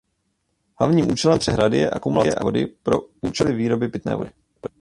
Hlavním účelem přehrady je akumulace vody pro účely výroby pitné vody.